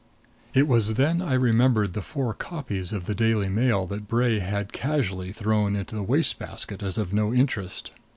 It was then I remembered the four copies of the Daily Mail that Bray had casually thrown into the waste basket as of no interest.